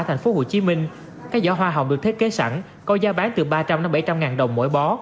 thành phố hồ chí minh các giỏ hoa hồng được thiết kế sẵn có giá bán từ ba trăm linh bảy trăm linh ngàn đồng mỗi bó